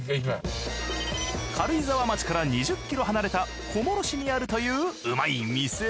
軽井沢町から２０ｋｍ離れた小諸市にあるといううまい店。